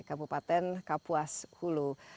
kabupaten kapuas hulu